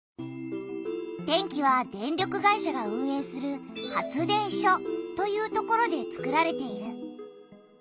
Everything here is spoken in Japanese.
電気は電力会社が運営する発電所という所でつくられている。